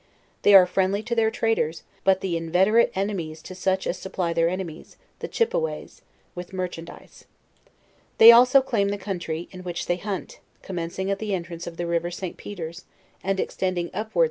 They are friendly to their, traders; but the inveterate enemies to such as supply their enBmies, the Chippeways, with merchandise. They also claim the country in which they hunt, commencing at the entrance of the river St. Pe ters, and extending apwards.